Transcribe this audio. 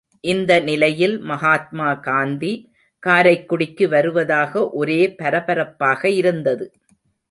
இந்த நிலையில் மகாத்மா காந்தி காரைக்குடிக்கு வருவதாக ஒரே பரபரப்பாக இருந்தது.